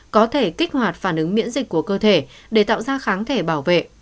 có thể kích hoạt phản ứng miễn dịch của cơ thể để tạo ra kháng thể bảo vệ